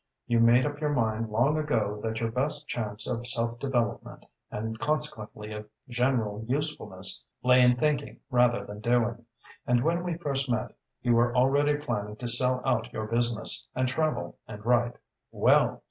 You made up your mind long ago that your best chance of self development, and consequently of general usefulness, lay in thinking rather than doing; and, when we first met, you were already planning to sell out your business, and travel and write. Well!